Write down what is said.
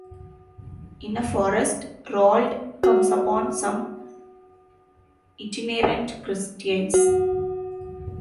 In a forest, Rual'd comes upon some itinerant Christians.